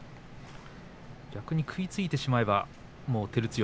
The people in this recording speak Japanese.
逆に食いついてしまえば照強。